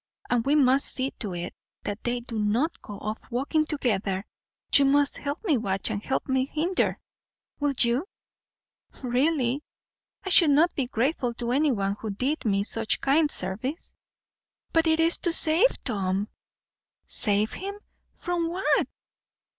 And we must see to it that they do not go off walking together. You must help me watch and help me hinder. Will you?" "Really, I should not be grateful to anyone who did me such kind service." "But it is to save Tom." "Save him! From what?"